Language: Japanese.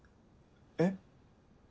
えっ？